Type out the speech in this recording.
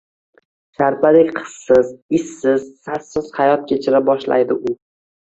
Sharpadek hissiz, izsiz, sassiz hayot kechira boshlaydi u